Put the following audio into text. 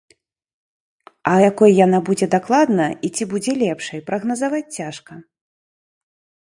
А якой яна будзе дакладна, і ці будзе лепшай, прагназаваць цяжка.